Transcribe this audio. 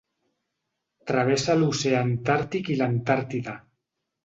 Travessa l'Oceà Antàrtic i l'Antàrtida.